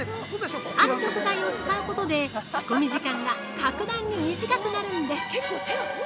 ある食材を使うことで仕込み時間が格段に短くなるんです。